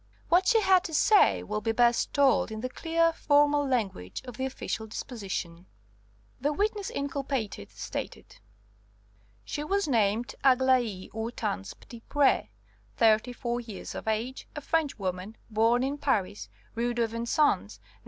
What she had to say will be best told in the clear, formal language of the official disposition. The witness inculpated stated: "She was named Aglaé Hortense Petitpré, thirty four years of age, a Frenchwoman, born in Paris, Rue de Vincennes No.